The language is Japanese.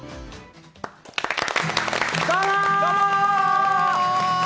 どうも！